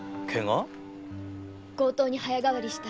強盗に早変わりした男